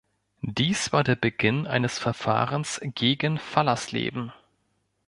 Dies war der Beginn eines Verfahrens gegen Fallersleben.